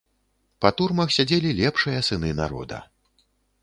Па турмах сядзелі лепшыя сыны народа.